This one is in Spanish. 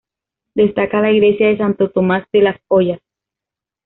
Destaca la Iglesia de Santo Tomás de las Ollas.